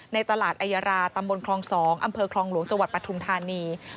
ในตลาดอายาราตำบลคลอง๒อำเภอคลองหลวงจังหวัดปทุมธานี